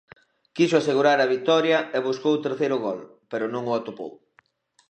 Quixo asegurar a vitoria e buscou o terceiro gol, pero non o atopou.